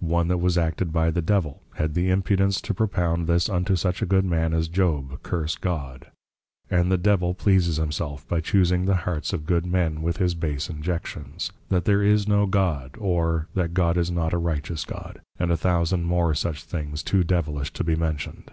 One that was acted by the Devil, had the impudence to propound this unto such a good man as Job, Curse God. And the Devil pleases himself, by chusing the Hearts of good men, with his base Injections, That there is no God, or, That God is not a Righteous God; and a thousand more such things, too Devilish to be mentioned.